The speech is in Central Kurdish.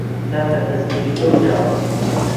کاکە تەسلیمی تۆ کراوە